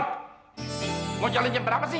mau jalan jam berapa sih